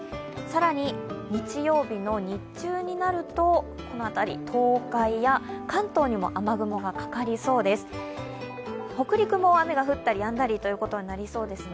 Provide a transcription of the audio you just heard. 更に日曜日の日中になるとこの辺り、東海や関東にも雨雲がかかりそうです。